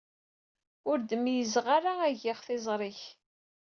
Ur d-meyyzeɣ ara agiɣ tiẓri-k.